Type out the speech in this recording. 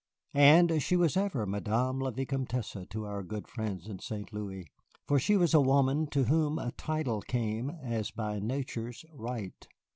And she was ever Madame la Vicomtesse to our good friends in St. Louis, for she was a woman to whom a title came as by nature's right.